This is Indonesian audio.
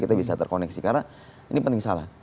kita bisa terkoneksi karena ini penting salah